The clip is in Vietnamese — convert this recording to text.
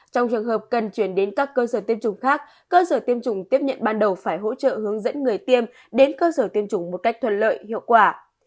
trong trường hợp cần chuyển đến các cơ sở tiêm chủng khác cơ sở tiêm chủng tiếp nhận ban đầu phải hỗ trợ hướng dẫn người tiêm đến cơ sở tiêm chủng một cách thuận lợi hiệu quả